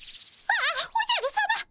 ああおじゃるさま。